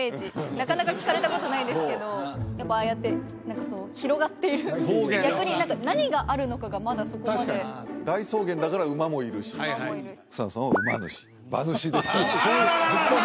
なかなか聞かれたことないですけどやっぱああやって広がっている草原逆に何があるのかがまだそこまで確かに大草原だから馬もいるし馬主ですからあらららら！